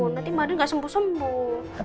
nanti mbak andien nggak sembuh sembuh